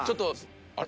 あれ？